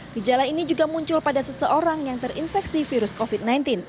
gejala ini juga muncul pada seseorang yang terinfeksi virus covid sembilan belas